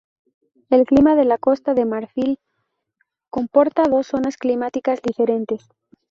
El clima de la Costa de Marfil comporta dos zonas climáticas diferentes.